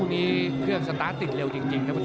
นี่คือยอดมวยแท้รักที่ตรงนี้ครับ